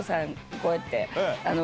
こうやって。